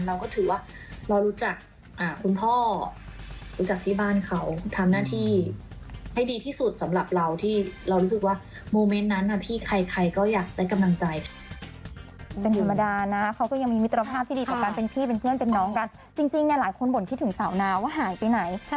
เราก็ถือว่าเรารู้จักคุณพ่อรู้จักที่บ้านเขา